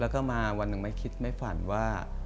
แล้วก็มาวันหนึ่งไม่คิดไม่ฝันว่า